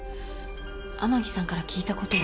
甘木さんから聞いたことは。